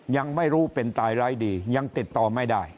ยังไม่รู้เป็นตายร้ายดียังติดต่อไม่ได้